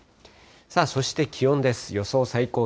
そして気温です。